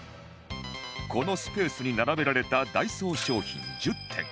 このスペースに並べられたダイソー商品１０点